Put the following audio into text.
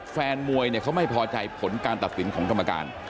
แฟนมวยเขาไม่พอใจผลการตัดสินของกรรมการ